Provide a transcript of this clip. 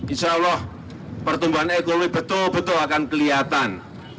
insyaallah pertumbuhan ekonomi betul betul akan kelihatan